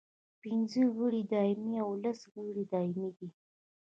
پنځه غړي یې دایمي او لس غیر دایمي دي.